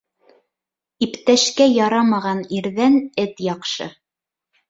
Иптәшкә ярамаған ирҙән эт яҡшы.